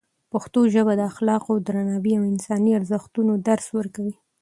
پښتو ژبه د اخلاقو، درناوي او انساني ارزښتونو درس ورکوي.